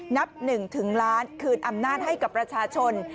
นับ๑ถึงล้านคืนอำนาจให้กับประชาชน